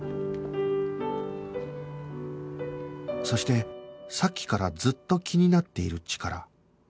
そしてさっきからずっと気になっているチカラ